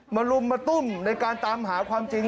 ลุมมาตุ้มในการตามหาความจริง